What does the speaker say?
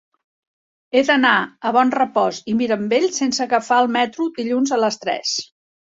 He d'anar a Bonrepòs i Mirambell sense agafar el metro dilluns a les tres.